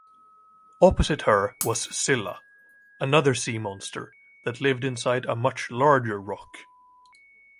Opposite her was Scylla, another sea monster, that lived inside a much larger rock.